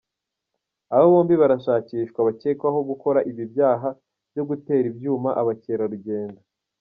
Aba bombi barashakishwa bakekwaho gukora ibi byaha byo gutera ibyuma abakerarugendo.